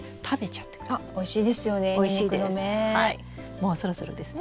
もうそろそろですね。